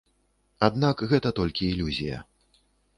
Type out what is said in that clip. Аднак гэта толькі ілюзія.